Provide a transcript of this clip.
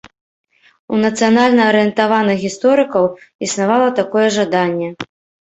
У нацыянальна-арыентаваных гісторыкаў існавала такое жаданне.